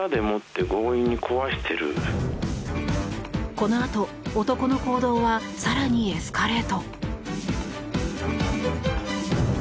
このあと、男の行動は更にエスカレート。